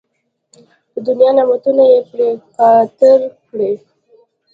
د دنیا نعمتونه یې پرې قطار کړي.